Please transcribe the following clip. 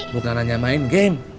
bukan hanya main game